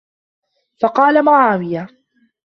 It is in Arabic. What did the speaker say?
فَقَالَ مُعَاوِيَةُ